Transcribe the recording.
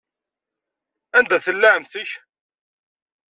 Anida tella ɛemmti-k?